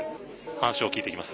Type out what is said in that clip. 話を聞いてきます。